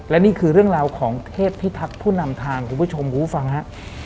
และนี่คือเรื่องราวของเทพพิทักษ์ผู้นำทางคุณผู้ชมผู้ฟังฮะ